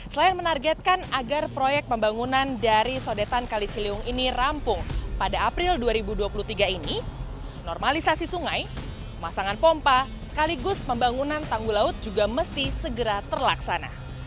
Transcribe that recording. selain menargetkan agar proyek pembangunan dari sodetan kali ciliwung ini rampung pada april dua ribu dua puluh tiga ini normalisasi sungai pemasangan pompa sekaligus pembangunan tanggul laut juga mesti segera terlaksana